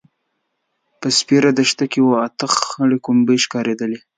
په سپېره دښته کې اوه – اته خړې کومبدې ښکارېدلې.